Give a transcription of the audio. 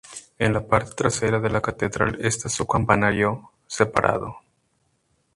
En la parte trasera de la catedral esta su campanario, separado.